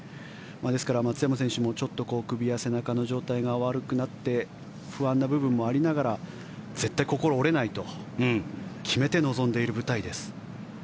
ですから、松山選手も首や背中の状態が悪くなって不安な部分もありながら絶対に心、折れないと決めて臨んでいる舞台です。